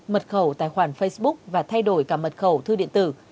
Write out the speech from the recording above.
mật khẩu tài khoản facebook và thay đổi cả mật khẩu thư điện tử